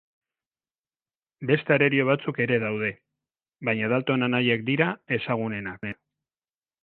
Beste arerio batzuk ere daude, baina Dalton Anaiak dira ezagunenak.